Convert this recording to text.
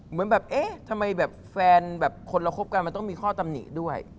เหมือนแบบเอ๊ะทำไมแบบแฟนแบบคนเราคบกันมันต้องมีข้อตำหนิด้วย